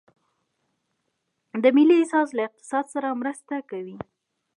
د ملي احساس له اقتصاد سره مرسته کوي؟